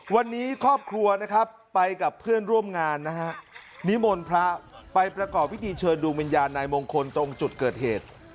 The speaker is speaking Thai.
วันนี้ครอบครัวนะครับไปกับเพื่อนร่วมงานนะฮะนิมนต์พระไปประกอบพิธีเชิญดวงวิญญาณนายมงคลตรงจุดเกิดเหตุ